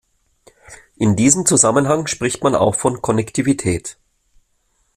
In diesem Zusammenhang spricht man auch von "Konnektivität".